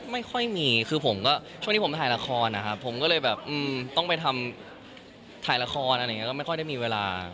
ไม่ค่อยมีช่วงที่ผมถ่ายละครผมก็เลยต้องไปถ่ายละครไม่ค่อยได้มีเวลา